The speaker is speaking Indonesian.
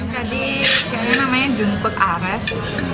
tadi kayaknya namanya jungkut ares